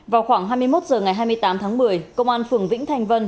vào khoảng hai mươi một h ngày hai mươi tám tháng một mươi công an phường vĩnh thanh vân